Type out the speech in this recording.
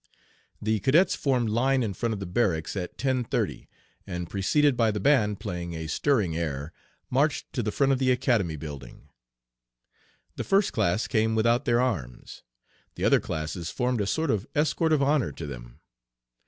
The cadets formed line in front of the barracks at 10.30, and, preceded by the band playing a stirring air, marched to the front of the Academy building. The first class came without their arms; the other classes formed a sort of escort of honor to them.